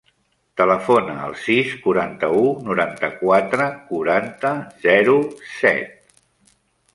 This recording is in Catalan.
Telefona al sis, quaranta-u, noranta-quatre, quaranta, zero, set.